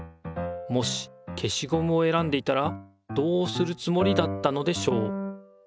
もし消しゴムを選んでいたらどうするつもりだったのでしょう？